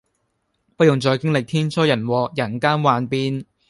不用再經歷天災人禍，人間幻變